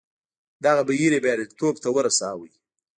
دغه بهیر یې بریالیتوب ته ورساوه.